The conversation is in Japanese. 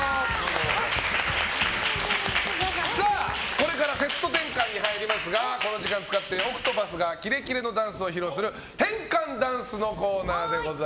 これからセット転換に入りますがこの時間を使ってＯＣＴＰＡＴＨがキレキレダンスを披露する転換ダンスのコーナーです。